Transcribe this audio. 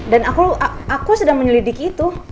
dan aku aku sedang menyelidiki itu